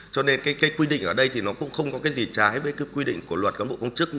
cho nên cái quy định ở đây thì nó cũng không có cái gì trái với cái quy định của luật cán bộ công chức